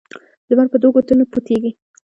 لمر په دوو ګوتو نه پوټیږی.